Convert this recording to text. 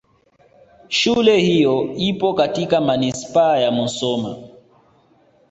Shule hiyo ipo katika Manispaa ya Musoma